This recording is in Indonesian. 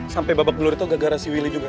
sampai babak belur itu gagah si willy juga